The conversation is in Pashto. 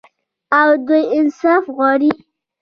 او دوی انصاف غواړي.